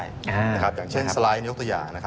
อย่างเช่นสไลด์ยกตัวอย่าง